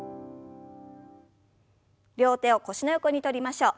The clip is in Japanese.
両手を腰の横に取りましょう。